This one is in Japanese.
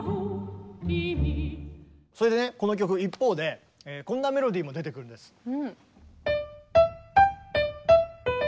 それでねこの曲一方でこんなメロディーも出てくるんです。